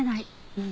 うん。